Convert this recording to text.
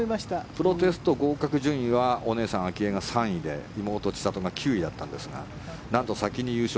プロテスト合格順位はお姉さん、明愛は３位で妹、千怜が９位だったんですが先に優勝。